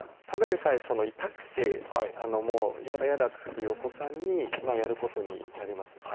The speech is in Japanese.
ただでさえ痛くてもう「嫌だ嫌だ」って言うお子さんにやることになります。